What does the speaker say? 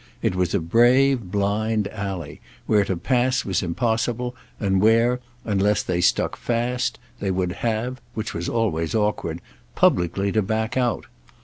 It was a brave blind alley, where to pass was impossible and where, unless they stuck fast, they would have—which was always awkward—publicly to back out.